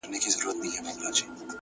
اوس په ځان پوهېږم چي مين يمه؛